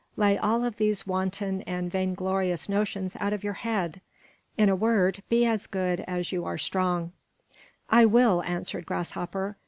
Lay all of these wanton and vainglorious notions out of your head. In a word, be as good as you are strong." "I will," answered Grasshopper.